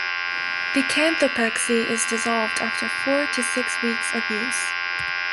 The canthopexy is dissolved after four to six weeks of use.